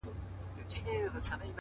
هره شېبه د نوې پرېکړې وخت دی